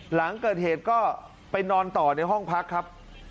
หลังเกิดเหตุก็ไปนอนต่อในห้องพักครับ